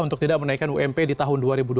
untuk tidak menaikkan ump di tahun dua ribu dua puluh